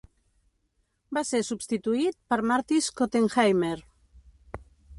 Va ser substituït per Marty Schottenheimer.